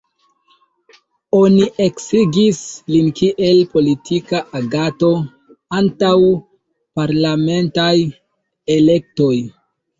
Oni eksigis lin kiel politika aganto antaŭ parlamentaj elektoj.